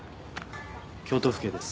京都府警です。